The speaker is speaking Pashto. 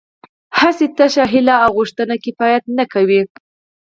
هسې تشه هیله او غوښتنه کفایت نه کوي